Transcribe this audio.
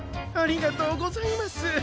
ありがとうございます。